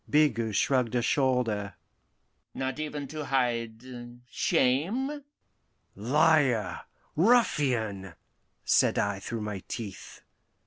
Bigot shrugged a shoulder. "Not even to hide shame?" "Liar ruffian!" said I through my teeth.